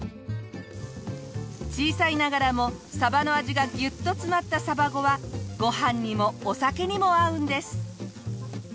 小さいながらもサバの味がギュッと詰まったサバゴはご飯にもお酒にも合うんです。